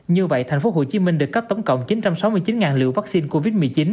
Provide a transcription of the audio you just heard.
như vậy thành phố hồ chí minh được cấp tổng cộng chín trăm sáu mươi chín liều vaccine covid một mươi chín